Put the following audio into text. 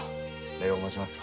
礼を申します。